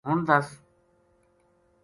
ہن دس